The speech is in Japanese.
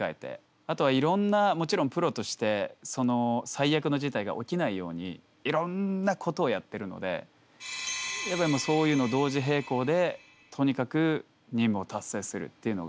あとはいろんなもちろんプロとして最悪の事態が起きないようにいろんなことをやってるのでやっぱりそういうのを同時並行でとにかく任務を達成するっていうのが。